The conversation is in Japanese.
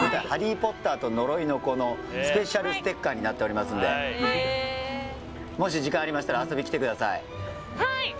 「ハリー・ポッターと呪いの子」のスペシャルステッカーになっておりますんではいもし時間ありましたら遊びに来てください